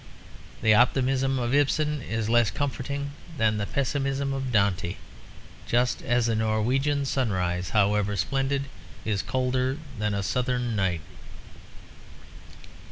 The optimism of Ibsen is less comforting than the pessimism of Dante; just as a Norwegian sunrise, however splendid, is colder than a southern night.